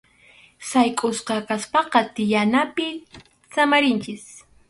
Sayk’usqa kaspaqa tiyanapi samanchik.